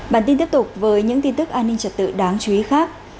bản tin tiếp tục với những tin tức an ninh trật tự đáng chú ý khác